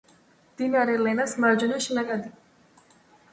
მდინარე ლენას მარჯვენა შენაკადი.